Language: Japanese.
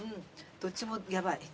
どっちもヤバい。